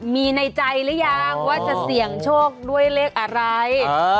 มีในใจหรือยังว่าจะเสี่ยงโชคด้วยเลขอะไร